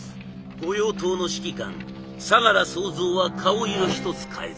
御用盗の指揮官相楽総三は顔色ひとつ変えず。